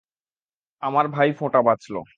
আমার ভাইফোঁটা বাঁচল।